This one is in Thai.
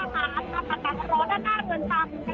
มันกระทิตย์กระตูอย่างแน่นหนาค่ะ